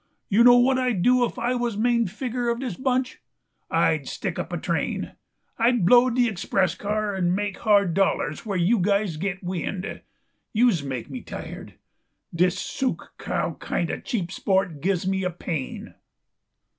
You know what I'd do if I was main finger of dis bunch? I'd stick up a train. I'd blow de express car and make hard dollars where you guys get wind. Youse makes me tired. Dis sook cow kind of cheap sport gives me a pain."